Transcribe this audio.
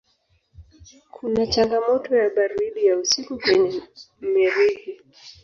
Kuna changamoto ya baridi ya usiku kwenye Mirihi.